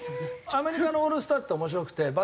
アメリカのオールスターって面白くて。